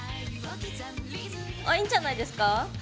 あっいいんじゃないですか。